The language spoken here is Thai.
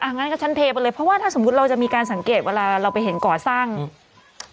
งั้นก็ฉันเทไปเลยเพราะว่าถ้าสมมุติเราจะมีการสังเกตเวลาเราไปเห็นก่อสร้างอืม